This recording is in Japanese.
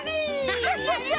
クシャシャシャ！